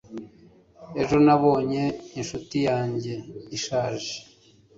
ejo nabonye inshuti yanjye ishaje